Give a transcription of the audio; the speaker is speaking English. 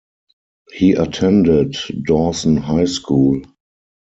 He attended Dawson High School.